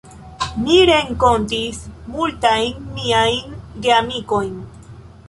Mi renkontis multajn miajn geamikojn.